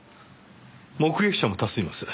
目撃者も多数います。